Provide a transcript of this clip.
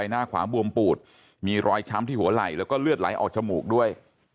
หน้าขวาบวมปูดมีรอยช้ำที่หัวไหล่แล้วก็เลือดไหลออกจมูกด้วย